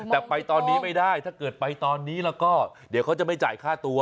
แต่ไปตอนนี้ไม่ได้ถ้าเกิดไปตอนนี้แล้วก็เดี๋ยวเขาจะไม่จ่ายค่าตัว